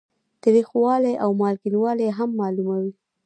تریخوالی او مالګینوالی هم معلوموي.